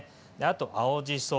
あと青じそ。